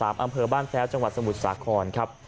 อำเภอบ้านแพ้วจังหวัดสมุทรสาครครับ